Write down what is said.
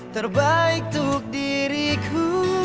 terbaik untuk diriku